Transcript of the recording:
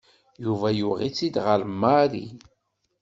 Yuba yuɣ-itt-id ɣer Mary.